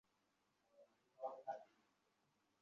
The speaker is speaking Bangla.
তুমি এটা দিয়ে কী করবে?